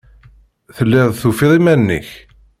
Telliḍ tufiḍ iman-nnek.